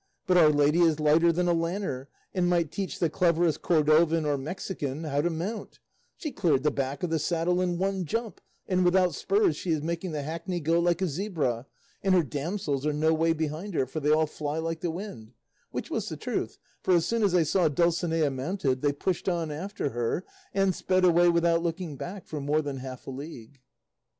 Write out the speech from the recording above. but our lady is lighter than a lanner, and might teach the cleverest Cordovan or Mexican how to mount; she cleared the back of the saddle in one jump, and without spurs she is making the hackney go like a zebra; and her damsels are no way behind her, for they all fly like the wind;" which was the truth, for as soon as they saw Dulcinea mounted, they pushed on after her, and sped away without looking back, for more than half a league.